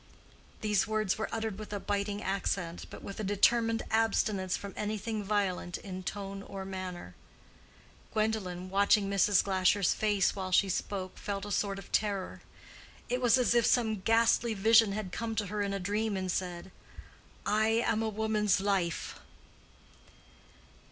These words were uttered with a biting accent, but with a determined abstinence from anything violent in tone or manner. Gwendolen, watching Mrs. Glasher's face while she spoke, felt a sort of terror: it was as if some ghastly vision had come to her in a dream and said, "I am a woman's life."